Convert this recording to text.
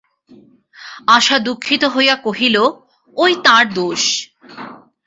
আশা দুঃখিত হইয়া কহিল, ঐ তাঁর দোষ।